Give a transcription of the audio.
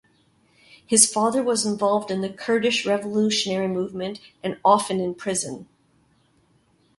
His father was involved in the Kurdish revolutionary movement and often in prison.